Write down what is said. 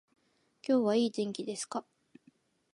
今日はいい天気ですか